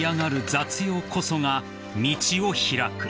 雑用こそが道を開く］